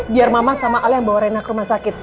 biar mama sama al yang bawa rena ke rumah sakit